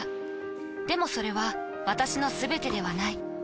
でもそれは私のすべてではない。